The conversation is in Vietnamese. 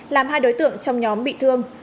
làm hai đối tượng trong nhóm bị thương